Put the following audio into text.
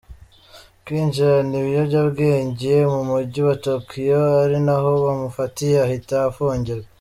kwinjirana ibiyobyabwenge mu mujyi wa Tokyo ari naho bamufatiye ahita afungirwa.